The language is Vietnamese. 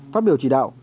phát biểu chỉ đạo